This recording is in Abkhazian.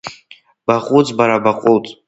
Баҟәыҵ бара, баҟәыҵ!